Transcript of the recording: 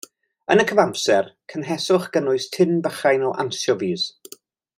Yn y cyfamser cynheswch gynnwys tin bychan o ansiofis.